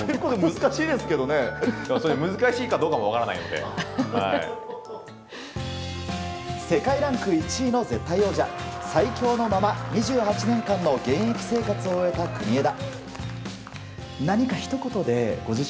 東芝世界ランク１位の絶対王者最強のまま２８年間の現役生活を終えた国枝。